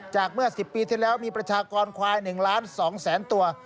เมื่อ๑๐ปีที่แล้วมีประชากรควาย๑ล้าน๒แสนตัว